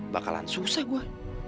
bakalan susah gue